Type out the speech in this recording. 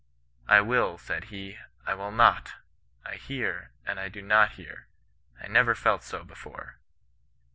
' I will,' said he, ' I will not — I hear, and I do not hear. I never felt bo before.'